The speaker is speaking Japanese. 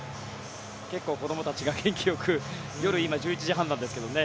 結構子どもたちが元気よく今、夜１１時半なんですけどね